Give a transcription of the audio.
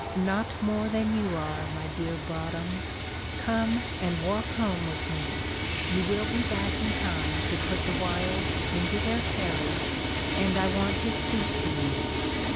"Not more than you are, my dear Broadhem; come and walk home with me: you will be back in time to put the Wyldes into their carriage, and I want to speak to you."